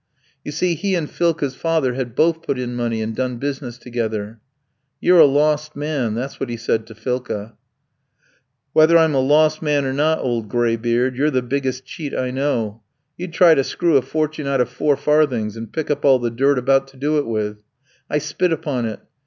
You see he and Philka's father had both put in money and done business together. "'You're a lost man,' that's what he said to Philka. "'Whether I'm a lost man or not, old gray beard, you're the biggest cheat I know. You'd try to screw a fortune out of four farthings, and pick up all the dirt about to do it with. I spit upon it.